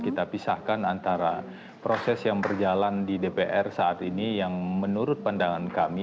kita pisahkan antara proses yang berjalan di dpr saat ini yang menurut pandangan kami